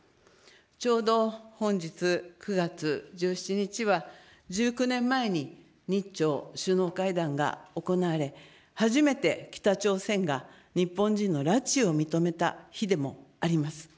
ちょうど本日９月１７日は、１９年前に日朝首脳会談が行われ、初めて北朝鮮が日本人の拉致を認めた日でもあります。